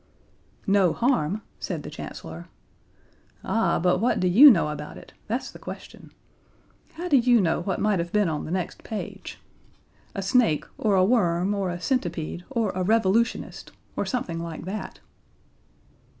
"No harm?" said the Chancellor. "Ah but what do you know about it? That's the question. How do you know what might have been on the next page a snake or a worm, or a centipede or a revolutionist, or something like that."